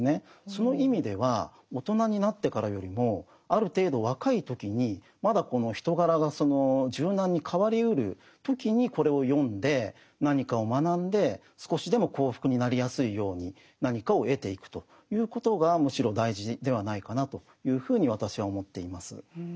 その意味では大人になってからよりもある程度若い時にまだこの人柄が柔軟に変わりうる時にこれを読んで何かを学んで少しでも幸福になりやすいように何かを得ていくということがむしろ大事ではないかなというふうに私は思っています。